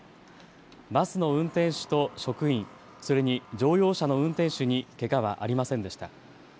バスの運転手と職員、それに乗用車の運転手にけがはありませんでした。